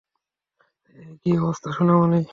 হেই, কী অবস্থা সোনামণি?